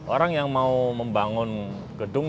orang yang mau membangun gedung